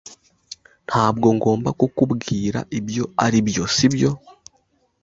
Ntabwo ngomba kukubwira ibyo aribyo, sibyo?